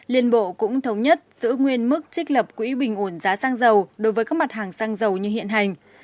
liên bộ cũng thống nhất giữ nguyên mức trích lập quỹ bình ổn giá xăng dầu đối với các mặt hàng xăng dầu như hiện hành